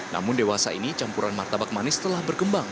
namun dewasa ini campuran martabak manis telah berkembang